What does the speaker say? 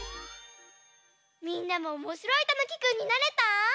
みんなもおもしろいたぬきくんになれた？